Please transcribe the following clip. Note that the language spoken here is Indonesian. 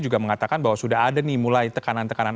juga mengatakan bahwa sudah ada nih mulai tekanan tekanan